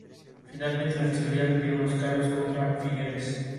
Finalmente la Fiscalía retiró los cargos contra Figueres.